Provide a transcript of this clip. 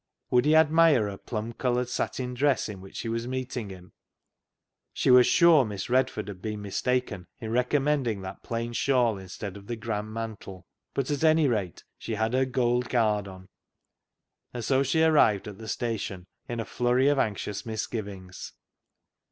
Would he admire her plum coloured satin dress in which she was meeting him ? She was sure Miss Redford had been mistaken in recommending that plain shawl instead of the grand mantle. But, at anyrate, she had her gold guard on, and so she arrived at the station in a flurry of anxious misgivings.